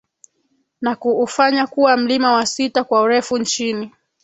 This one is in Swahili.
na kuufanya kuwa mlima wa sita kwa urefu nchini